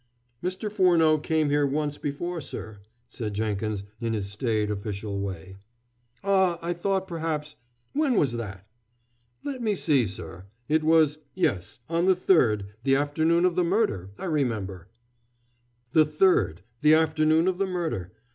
"Mr. Furneaux came here once before, sir," said Jenkins in his staid official way. "Ah, I thought perhaps when was that?" "Let me see, sir. It was yes on the third, the afternoon of the murder, I remember." The third the afternoon of the murder.